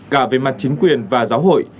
cả về mặt chính quyền và giáo hội